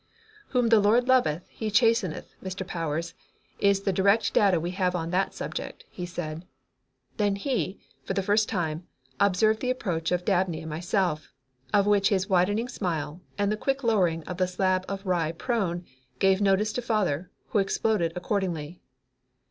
"'Whom the Lord loveth He chasteneth,' Mr. Powers, is the direct data we have on that subject," he said. Then he, for the first time, observed the approach of Dabney and myself, of which his widening smile and the quick lowering of the slab of rye pone gave notice to father, who exploded accordingly.